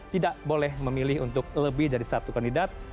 tidak boleh memilih untuk lebih dari satu kandidat